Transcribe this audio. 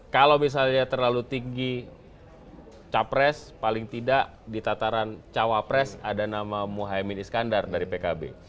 kalau misalnya terlalu tinggi capres paling tidak di tataran cawapres ada nama muhaymin iskandar dari pkb